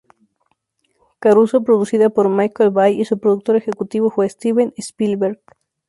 Caruso, producida por Michael Bay y su productor ejecutivo fue Steven Spielberg.